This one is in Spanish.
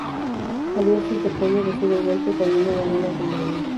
Ariel se interpone y recibe el golpe cayendo en la arena con Marina.